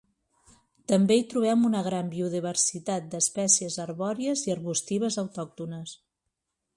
També hi trobem una gran biodiversitat d’espècies arbòries i arbustives autòctones.